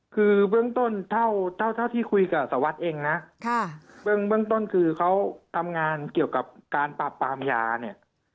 คือเบื้องต้นเท่าเท่าที่คุยกับสวัสดิ์เองนะเบื้องต้นคือเขาทำงานเกี่ยวกับการปราบปรามยาเนี่ย